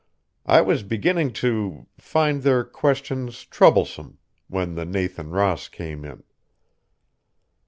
I was beginning to find their questions troublesome when the Nathan Ross came in."